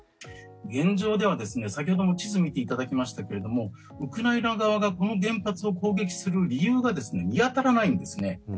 現状では先ほども地図を見ていただきましたがウクライナ側がこの原発を攻撃する理由が見当たらないんですね。